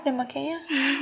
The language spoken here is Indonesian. kamu mani mani belanja